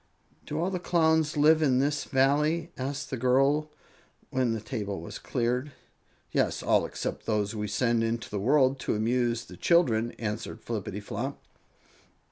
"Do all the Clowns live in this Valley?" asked the girl, when the table was cleared. "Yes, all except those we send into the world to amuse the children," answered Flippityflop.